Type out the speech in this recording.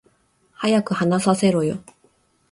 早く話させろよ